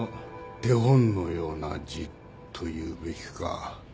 手本のような字というべきか。